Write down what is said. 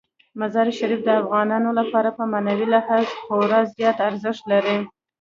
مزارشریف د افغانانو لپاره په معنوي لحاظ خورا زیات ارزښت لري.